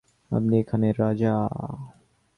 আপনি এখানের রাজা।